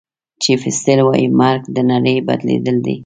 چیف سیټل وایي مرګ د نړۍ بدلېدل دي.